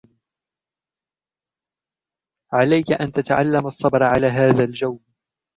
عليك أن تتعلم الصبر على هذا الجوّ.